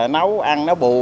nấu ăn nó bù